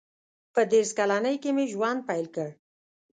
• په دېرش کلنۍ کې مې ژوند پیل کړ.